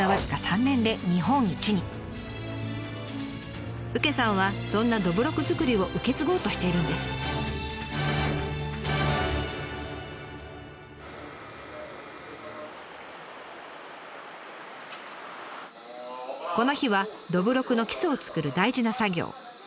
この日はどぶろくの基礎を作る大事な作業。